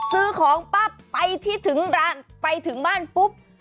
ซื้อของปั๊บไปที่ถึงร้านไปถึงบ้านปุ๊บ